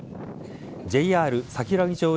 ＪＲ桜木町駅